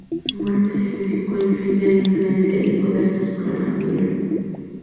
Su muerte significó el fin de la influencia y poder de su clan familiar.